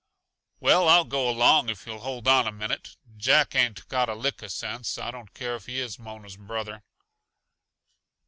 "Well, I'll go along, if you'll hold on a minute. Jack ain't got a lick uh sense. I don't care if he is Mona's brother."